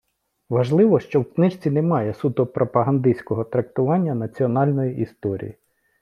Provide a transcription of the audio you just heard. Важливо, що в книжці немає суто пропагандистського трактування національної історії.